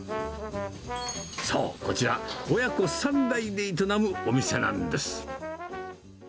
そう、こちら、親子３代で営むお店なんです。